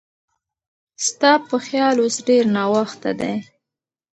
ستا په خیال اوس ډېر ناوخته دی؟